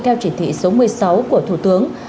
theo chỉ thị số một mươi sáu của thủ tướng